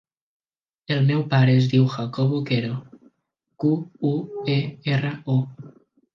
El meu pare es diu Jacobo Quero: cu, u, e, erra, o.